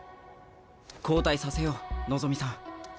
交代させよう望さん。